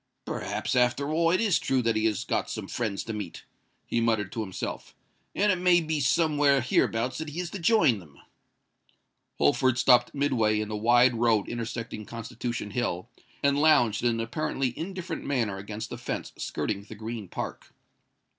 "Perhaps, after all, it is true that he has got some friends to meet," he muttered to himself; "and it may be somewhere hereabouts that he is to join them." Holford stopped midway in the wide road intersecting Constitution Hill, and lounged in an apparently indifferent manner against the fence skirting the Green Park.